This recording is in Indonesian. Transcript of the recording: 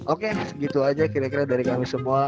oke gitu aja kira kira dari kami semua